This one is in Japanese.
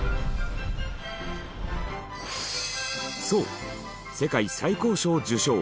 そう世界最高賞受賞